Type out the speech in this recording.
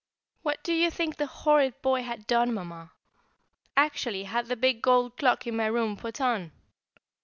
What do you think the horrid boy had done, Mamma? Actually had the big gold clock in my room put on!